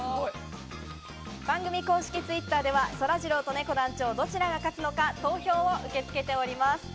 番組公式Ｔｗｉｔｔｅｒではそらジローとねこ団長、どちらが勝つのか投票を受け付けております。